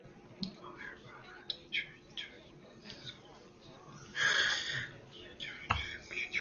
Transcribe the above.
However, an injury during his sophomore year temporarily grounded his career.